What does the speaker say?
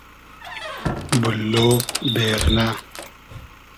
بوللۉ بېرنۂ